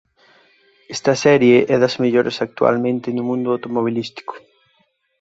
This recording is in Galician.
Esta serie é das mellores actualmente no mundo automobilístico.